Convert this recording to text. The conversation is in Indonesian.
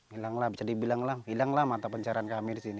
hilanglah bisa dibilang hilanglah mata pencaran kami di sini